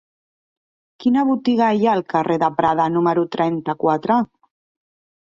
Quina botiga hi ha al carrer de Prada número trenta-quatre?